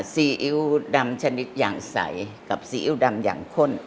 ซีอิ๊วดำชนิดอย่างใสกับซีอิ๊วดำอย่างข้น